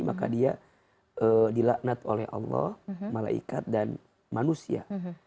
maka dia dilaknat oleh allah malaikat dan manusia